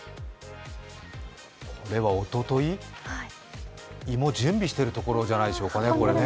これはおととい、芋を準備しているところでしょうかね。